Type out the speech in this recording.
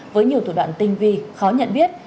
với nhiều thủ đoạn tinh vi khó nhận biết